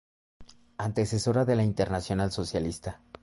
Antecesora de la Internacional Socialista.